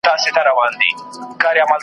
د مینې ھرکتاب او ھردیوان مې ولټوو